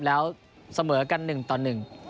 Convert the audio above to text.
แล้วเสมอกันหนึ่งต่อหนึ่ง